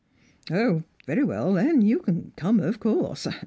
"0, very well, you can come, of course.